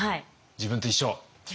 自分と一緒。